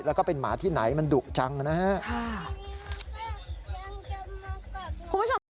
แล้วก็เป็นหมาที่ไหนมันดุจังนะฮะ